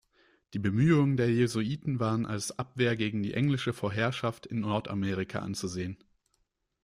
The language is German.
Die Bemühungen der Jesuiten waren als Abwehr gegen die englische Vorherrschaft in Nordamerika anzusehen.